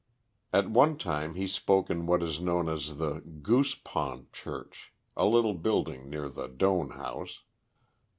At one time he spoke in what is known as the goose pond church, a little building near the Doane House.